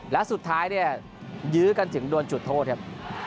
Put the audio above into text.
และสุดท้ายเนี่ยยื้อกันถึงโดนจุดโทษครับ